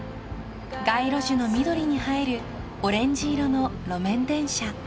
［街路樹の緑に映えるオレンジ色の路面電車］